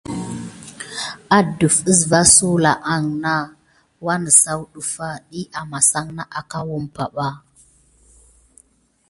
Adef əsva aŋ na sulà nà wanəsaw ɗəffa ɗiy amasan na akaw umpa ɓa.